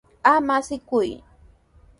Ama asiyku.